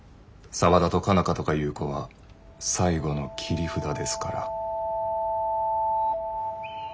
沢田と佳奈花とかいう子は最後の切り札ですから。